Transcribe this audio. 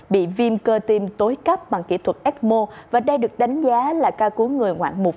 bị viêm cơ tim tối cắp bằng kỹ thuật ecmo và đây được đánh giá là ca cứu người ngoạn mục